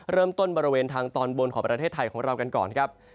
บริเวณทางตอนบนของประเทศไทยของเรากันก่อนครับ